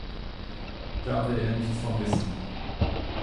Da will er nichts von wissen.